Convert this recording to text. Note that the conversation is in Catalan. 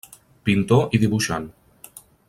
Pintor i dibuixant.